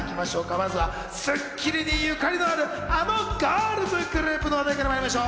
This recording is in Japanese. まずは『スッキリ』にゆかりのある、あのガールズグループの話題からまいりましょう。